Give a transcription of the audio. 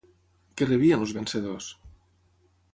Què rebien els vencedors?